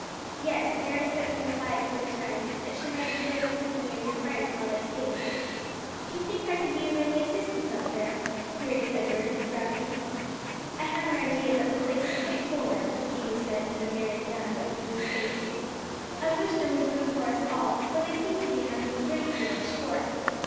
"Yes, Mary set them aside for the time, that she might enjoy the company of your friends while they stayed." "Do you think I could be of any assistance out there?" queried Edward, with gravity. "I have an idea that the place is quite full now," Amy said, with a merry glance up into his face. "I wish there was room for us all, for they seem to be having a great deal of sport.